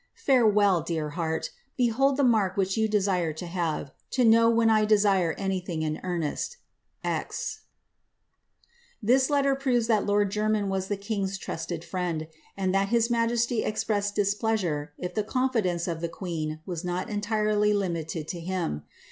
Farewell, dear heart ! Behold the mark vhich you desire to have, to know when I desire anything in earnest, x • This letter proves that lord Jermyn was the king^s trusted friend, anr! that his majesty expressed displeasure if the confidence of the queen was not entirely limited to him.